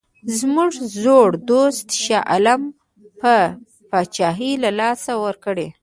زموږ زوړ دوست شاه عالم به پاچهي له لاسه ورکړي.